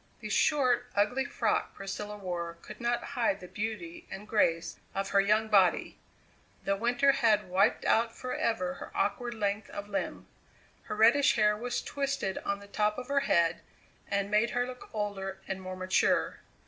The short, ugly frock Priscilla wore could not hide the beauty and grace of her young body the winter had wiped out forever her awkward length of limb. Her reddish hair was twisted on the top of her head and made her look older and more mature.